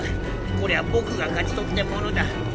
これは僕が勝ち取ったものだ。